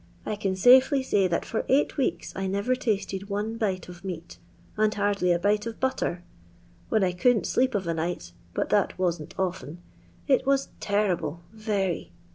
I can safely say that for eight weeks I never tasted one bite of meat, and hardly a bite of butter. When I couldn't sleep of a night, but that wasn't often, it was terrible, very.